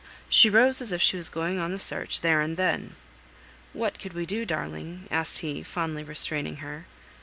She rose as if she was going on the search there and then. "What could we do, darling?" asked he, fondly restraining her.